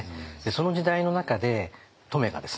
その時代の中で乙女がですね